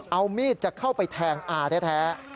เอามีดจะเข้าไปแทงอาแท้